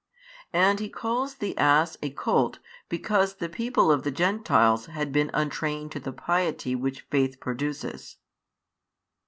And He calls the ass a colt, because the people of the Gentiles had been untrained to the piety which faith produces.